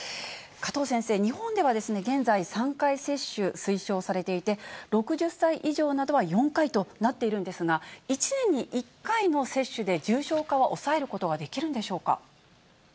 加藤先生、日本では現在、３回接種推奨されていて、６０歳以上などは４回となっているんですが、１年に１回の接種で重症化は抑えることができるんでしょうか。